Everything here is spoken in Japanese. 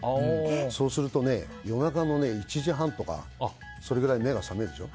そうすると、夜中の１時半とかそれくらいに目が覚めるでしょ。